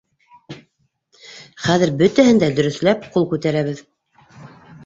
Хәҙер бөтәһен дә дөрөҫләп, ҡул күтәрәбеҙ.